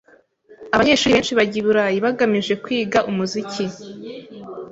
Abanyeshuri benshi bajya i Burayi bagamije kwiga umuziki.